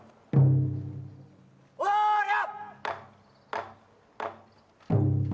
おりゃ。